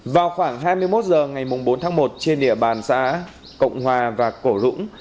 vào khoảng hai mươi một h ngày bốn tháng một trên địa bàn xã cộng hòa và cổ dũng